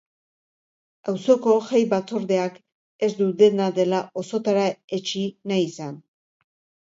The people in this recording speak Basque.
Auzoko jai batzordeak ez du, dena dela, osotara etsi nahi izan.